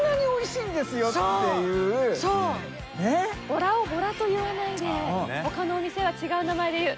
ボラをボラと言わないでほかのお店は違う名前で言う。